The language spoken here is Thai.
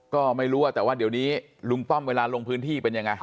ก็ไม่รู้ว่าแต่ว่าเดี๋ยวนี้ลุงป้อมเวลาลงพื้นที่เป็นยังไง